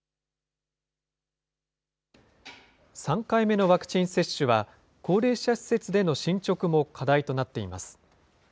３回目のワクチン接種は、高齢者施設での進捗も課題となっています。